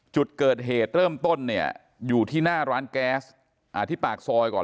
จุดเกิดเหตุเริ่มต้นเนี่ยอยู่ที่หน้าร้านแก๊สที่ปากซอยก่อน